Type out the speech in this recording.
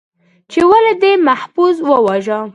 ، چې ولې دې محفوظ وواژه؟